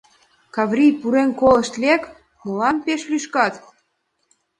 — Каврий, пурен колышт лек: молан пеш лӱшкат?